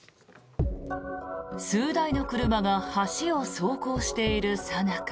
数台の車が橋を走行しているさなか。